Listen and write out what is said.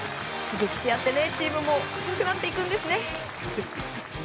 刺激し合ってチームも強くなっていくんですね。